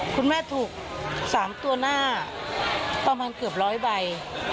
คุณแม่ถูก๓ตัวหน้าประมาณเกือบร้อยใบ